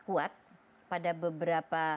kuat pada beberapa